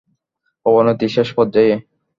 অবনতির শেষ পর্যায়ে!